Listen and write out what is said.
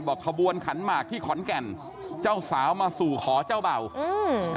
ขบวนขันหมากที่ขอนแก่นเจ้าสาวมาสู่ขอเจ้าเบ่าอืม